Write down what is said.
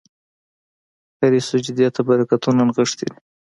هره سجدې ته برکتونه نغښتي دي.